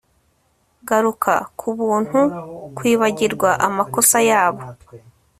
garuka kubuntu, kwibagirwa, amakosa yabo